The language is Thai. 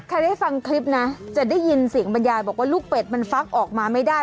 ได้ฟังคลิปนะจะได้ยินเสียงบรรยายบอกว่าลูกเป็ดมันฟักออกมาไม่ได้